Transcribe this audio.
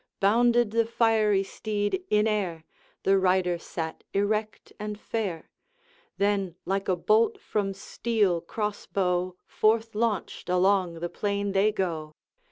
Bounded the fiery steed in air, The rider sat erect and fair, Then like a bolt from steel crossbow Forth launched, along the plain they go.